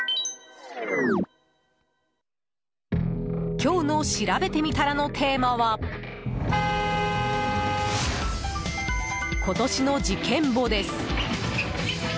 今日のしらべてみたらのテーマは今年の事件簿です。